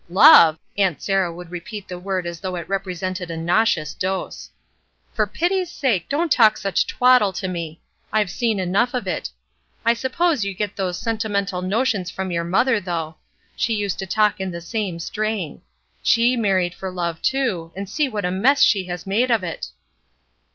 .'Love'" Aunt Sarah would repeat the word as though it represented a nauseous dose .■For pity's sake, don't talk such twaddle to me I've seen enough of it. I suppose you get those sentimental notions from your mother, though. She used to talk in the same stram. She married for love, too, and see what a mess she has made of it."